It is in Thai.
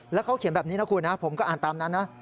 แล้วเขาเขียนแบบนี้นะคุณนะผมก็อ่านตามนั้นนะ